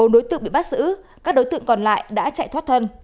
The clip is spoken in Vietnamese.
bốn đối tượng bị bắt giữ các đối tượng còn lại đã chạy thoát thân